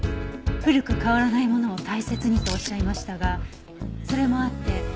古く変わらないものを大切にとおっしゃいましたがそれもあって